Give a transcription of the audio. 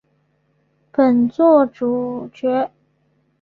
本作主角。